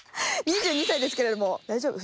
２２歳ですけれども大丈夫？